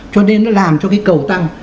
cho nên nó làm cho cái cầu tăng